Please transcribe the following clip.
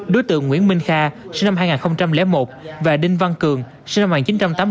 đối tượng nguyễn minh kha sơ mạng hai nghìn một và đinh văn cường sơ mạng chín trăm tám mươi bốn